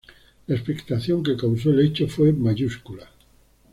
La expectación que causó el hecho fue mayúscula.